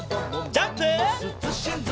ジャンプ！